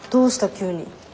急に。